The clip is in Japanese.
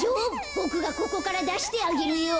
ボクがここからだしてあげるよ。